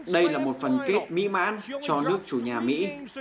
đây là một phần kết mỹ mãn cho nước chủ nhà mỹ